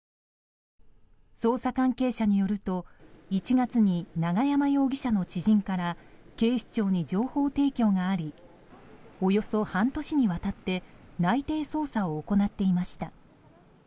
捜査関係者によると１月に永山容疑者の知人から警視庁に情報提供がありおよそ半年にわたって内偵捜査を行っていました。